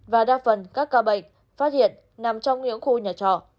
và đa phần các ca bệnh phát hiện nằm trong những khu nhà trọ